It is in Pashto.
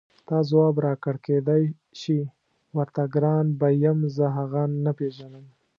تا ځواب راکړ کېدای شي ورته ګران به یم زه هغه نه پېژنم.